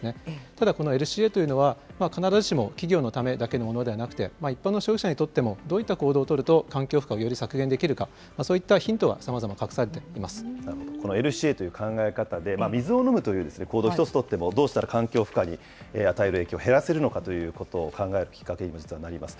ただこのＬＣＡというのは、必ずしも企業のためだけのものではなくて、一般の消費者にとっても、どういった行動を取ると環境負荷をより削減できるか、そういったこのＬＣＡという考え方で、水を飲むという行動一つとっても、どうしたら環境負荷に与える影響を減らせるのかということを考えるきっかけにも実はなります。